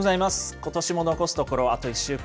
ことしも残すところ、あと１週間。